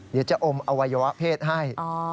เดี๋ยวจะอมอวัยวะเพศให้